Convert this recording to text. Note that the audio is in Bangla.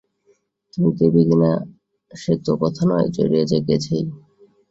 তুমি দেবে কি না সে তো কথা নয়, জড়িয়ে যে গেছেই।